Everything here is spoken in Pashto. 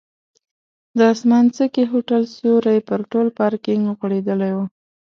د اسمانځکي هوټل سیوری پر ټول پارکینک غوړېدلی و.